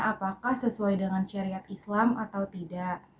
apakah sesuai dengan syariat islam atau tidak